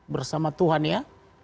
bersama tuhan ya